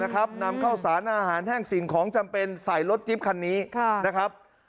นำข้าวสารอาหารแห้งสิ่งของจำเป็นใส่รถจิ๊บคันนี้นะครับ